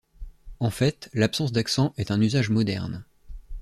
En fait, l'absence d'accent est un usage moderne.